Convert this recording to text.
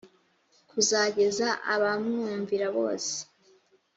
kuzageza abamwumvira bose